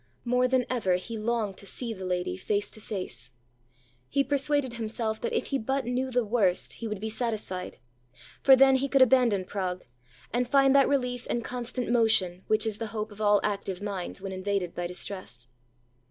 More than ever he longed to see the lady face to face. He persuaded himself that if he but knew the worst he would be satisfied; for then he could abandon Prague, and find that relief in constant motion, which is the hope of all active minds when invaded by distress.